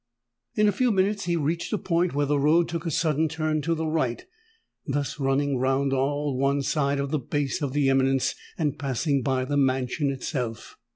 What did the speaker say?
In a few minutes he reached a point where the road took a sudden turn to the right, thus running round all one side of the base of the eminence, and passing by the mansion itself.